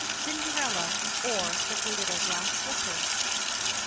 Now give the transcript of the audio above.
CINDERELLA; OR THE LITTLE GLASS SLIPPER.